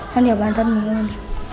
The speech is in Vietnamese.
thân hiểu bản thân mình hơn